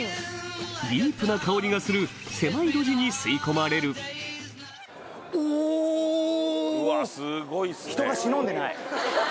ディープな薫りがする狭い路地に吸い込まれるうわすごいっすね。